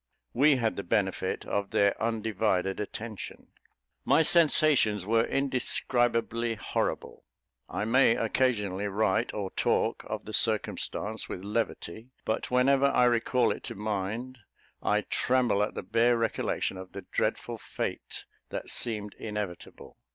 We had the benefit of their undivided attention. My sensations were indescribably horrible. I may occasionally write or talk of the circumstance with levity, but whenever I recall it to mind, I tremble at the bare recollection of the dreadful fate that seemed inevitable.